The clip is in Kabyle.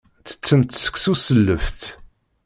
Ttettemt seksu s lleft.